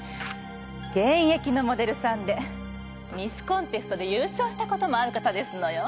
現役のモデルさんでミスコンテストで優勝したこともある方ですのよ。